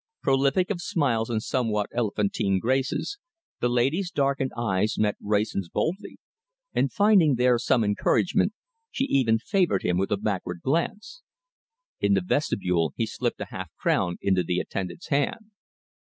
Prolific of smiles and somewhat elephantine graces, the lady's darkened eyes met Wrayson's boldly, and finding there some encouragement, she even favoured him with a backward glance. In the vestibule he slipped a half crown into the attendant's hand.